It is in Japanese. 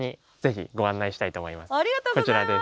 こちらです。